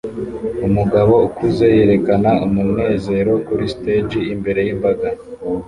Umugabo ukuze yerekana umunezero kuri stage imbere yimbaga